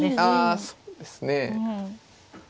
あそうですね。